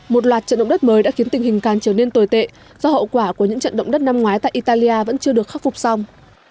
một loạt trận động đất mới đã khiến tình hình càng trở nên tồi tệ do hậu quả của những trận động đất năm ngoái tại italia vẫn chưa được khắc phục xong